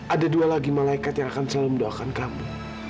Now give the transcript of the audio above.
ada dua lagi malaikat yang akan selalu mendoakan kamu